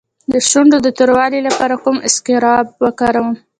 د شونډو د توروالي لپاره کوم اسکراب وکاروم؟